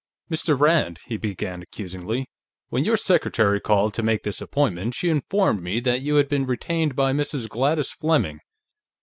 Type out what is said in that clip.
"Mr. Rand," he began accusingly, "when your secretary called to make this appointment, she informed me that you had been retained by Mrs. Gladys Fleming."